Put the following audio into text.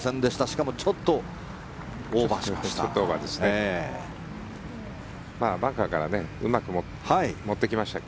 しかもちょっとオーバーしました。